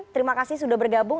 terima kasih sudah bergabung